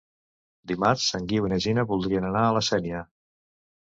Dimarts en Guiu i na Gina voldrien anar a la Sénia.